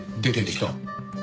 出てきた。